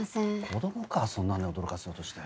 子供かそんなんで驚かそうとして。